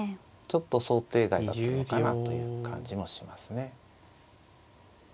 ちょっと想定外だったのかなあという感じもしますね。